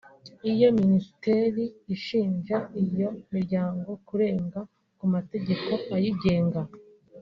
Iyo Minisiteri ishinja iyo miryango kurenga ku mategeko ayigenga